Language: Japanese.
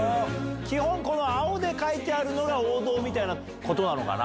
基本この青で書いてあるのが王道みたいなことなのかな？